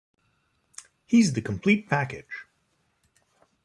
He's the complete package.